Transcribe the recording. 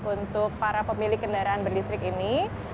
untuk para pemilik kendaraan berlistrik ini